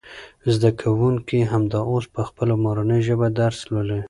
زده کوونکي همدا اوس په خپله مورنۍ ژبه درس لولي.